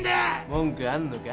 文句あんのか？